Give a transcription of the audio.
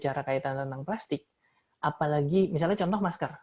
nah ketika kita berbicara tentang plastik apalagi misalnya contoh masker